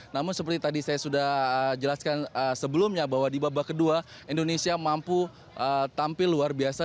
dan seperti tadi saya sudah jelaskan sebelumnya bahwa di babak kedua indonesia mampu tampil luar biasa